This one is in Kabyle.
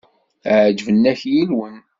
Ԑeǧben-ak yilwen.